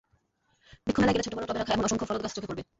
বৃক্ষমেলায় গেলে ছোট-বড় টবে রাখা এমন অসংখ্য ফলদ গাছ চোখে পড়বে।